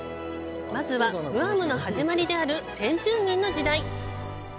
まずは、グアムの始まりである先住民の時代。